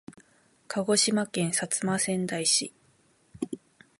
鹿児島県薩摩川内市